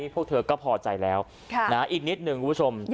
พวกเธอก็พอใจแล้วอีกนิดหนึ่งคุณผู้ชม